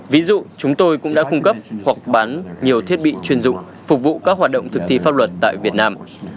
ví dụ chúng tôi cũng đã cung cấp hoặc bán nhiều thiết bị chuyên dụng phục vụ các hoạt động thực thi pháp luật tại việt nam